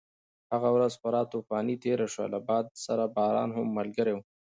هغه ورځ خورا طوفاني تېره شوه، له باد سره باران هم ملګری و.